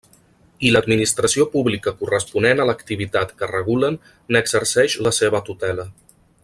I l'administració pública corresponent a l'activitat que regulen n'exerceix la seva tutela.